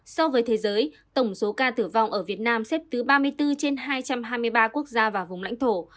so với thế giới tổng số ca tử vong ở việt nam xếp thứ ba mươi bốn trên hai trăm hai mươi ba quốc gia và vùng lãnh thổ